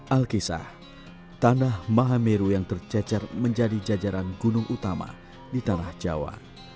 alkisah tanah mahameru yang tercecer menjadi jajaran gunung utama di tanah jawa